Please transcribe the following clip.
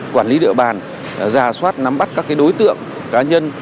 quản lý địa bàn giả soát nắm bắt các đối tượng cá nhân